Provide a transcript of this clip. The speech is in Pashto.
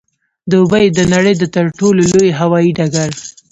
دوبۍ د نړۍ د تر ټولو لوی هوايي ډګر